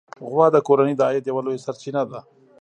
غوا د کورنۍ د عاید یوه لویه سرچینه ده.